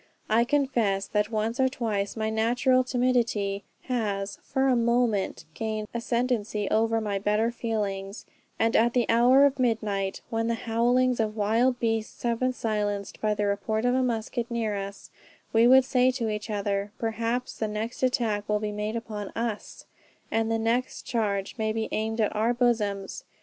I confess that once or twice my natural timidity has for a moment gained ascendancy over my better feelings, and at the hour of midnight, when the howlings of wild beasts have been silenced by the report of a musket near us, we would say to each other, perhaps the next attack will be made upon us, and the next charge may be aimed at our bosoms.